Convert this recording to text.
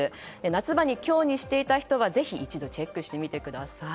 夏場に強にしていた人はぜひ一度チェックしてみてください。